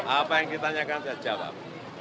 apa yang ditanyakan saya jawab